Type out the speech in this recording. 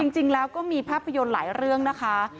จริงแล้วก็มีภาพยนตร์หลายเรื่องนะคะ